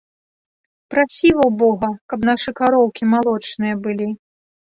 Прасі во бога, каб нашы кароўкі малочныя былі.